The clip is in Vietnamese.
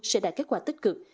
sẽ đạt kết quả tích cực